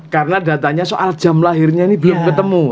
karena datanya soal jam lahirnya ini belum ketemu